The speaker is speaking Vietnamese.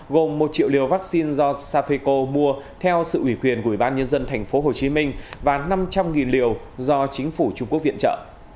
gồm một triệu liều vaccine do safeco mua theo sự ủy quyền của ủy ban nhân dân tp hcm và năm trăm linh liều do chính phủ trung quốc viện trợ